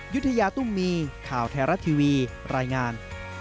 ยุธยาตุ้มมีข่าวไทยรัฐทีวีรายงาน